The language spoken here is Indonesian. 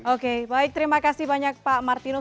oke baik terima kasih banyak pak martinus